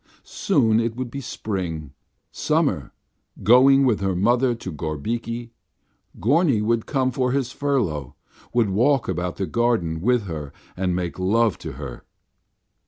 Soon it would be spring, summer, going with her mother to Gorbiki. Gorny would come for his furlough, would walk about the garden with her and make love to her.